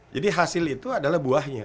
jadi hasil itu adalah buahnya